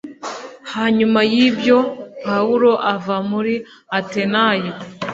Hanyuma y ibyo Pawulo ava muri Atenayi